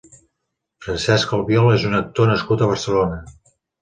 Francesc Albiol és un actor nascut a Barcelona.